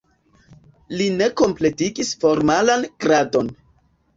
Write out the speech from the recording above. Li ne kompletigis formalan gradon.